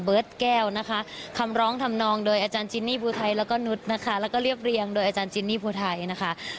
แก้วนะคะคำร้องทำนองโดยอาจารย์จินนี่ภูไทยแล้วก็นุษย์นะคะแล้วก็เรียบเรียงโดยอาจารย์จินนี่ภูไทยนะคะ